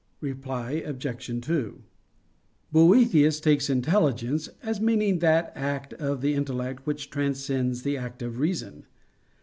Reply Obj. 2: Boethius takes intelligence as meaning that act of the intellect which transcends the act of the reason.